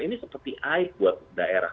ini seperti aib buat daerah